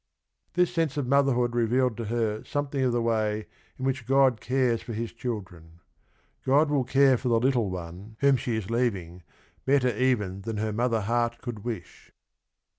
This sense of motherhood revealed to her something of the way in which God cares for his children. God will care for the little one whom POMPILIA 129 she is leaving better even than her mother heart could wish.